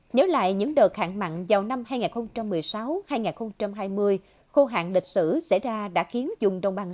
nhớ lại những đợt hạn mặn vào năm hai nghìn một mươi sáu hai nghìn hai mươi khô hạn lịch sử xảy ra đã khiến vùng đông bằng